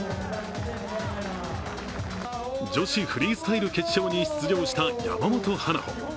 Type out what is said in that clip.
女子フリースタイル決勝に出場した山本華歩。